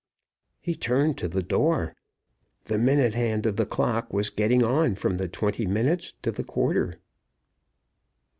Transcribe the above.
He turned to the door. The minute hand of the clock was getting on from the twenty minutes to the quarter.